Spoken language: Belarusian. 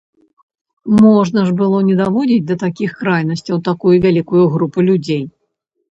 Можна ж было не даводзіць да такіх крайнасцяў такую вялікую групу людзей.